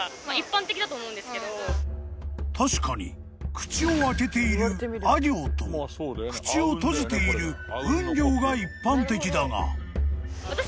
［確かに口を開けている阿形と口を閉じている吽形が一般的だが］